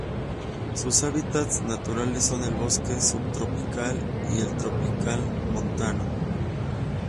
Sus hábitats naturales son el bosque subtropical y el tropical montano.